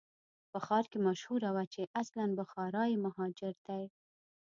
په ښار کې مشهوره وه چې اصلاً بخارایي مهاجر دی.